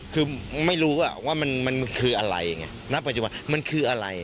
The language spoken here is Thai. คือไม่รู้ว่ามันชื่ออะไร